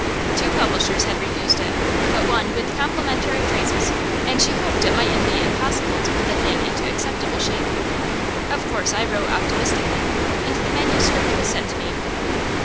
Two publishers had refused it, but one with complimentary phrases, and she hoped it mightn't be impossible to put the thing into acceptable shape. Of course I wrote optimistically, and the manuscript was sent to me.